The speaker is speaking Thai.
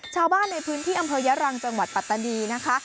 ชาวบ้านในพื้นที่อำเภอยะรังจังหวัดปัตตานีนะคะ